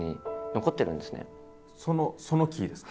そのその木ですか？